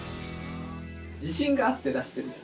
自信があって出してるよね